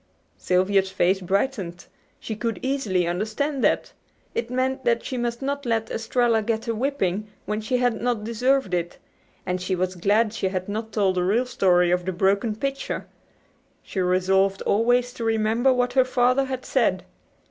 Sylvia's face brightened. She could easily understand that. It meant that she must not let Estralla get a whipping when she had not deserved it; and she was glad she had not told the real story of the broken pitcher. She resolved always to remember what her father had said.